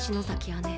姉。